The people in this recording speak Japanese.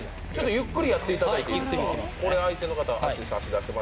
ゆっくりやっていただいていいですか？